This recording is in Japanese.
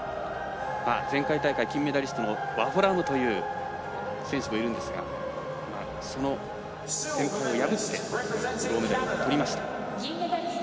前回大会金メダリストのワホラームという選手もいるんですがその先輩を破って銅メダルをとりました。